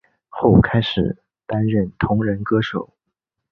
后开始担任同人歌手。